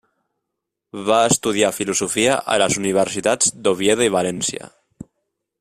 Va estudiar filosofia a les universitats d'Oviedo i València.